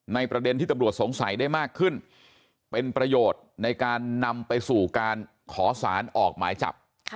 ประเด็นที่ตำรวจสงสัยได้มากขึ้นเป็นประโยชน์ในการนำไปสู่การขอสารออกหมายจับ